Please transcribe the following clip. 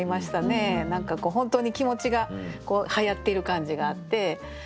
何か本当に気持ちがはやっている感じがあって。